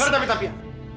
dengar tapi tapi ya